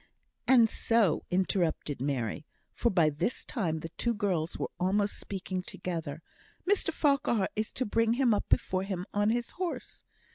"And so," interrupted Mary, for by this time the two girls were almost speaking together, "Mr Farquhar is to bring him up before him on his horse."